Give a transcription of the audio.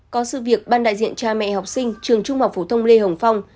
có sự việc ban đại diện cha mẹ học sinh trường trung học phổ thông lê hồng phong